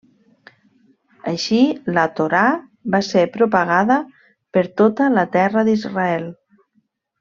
Així la Torà va ser propagada per tota la Terra d'Israel.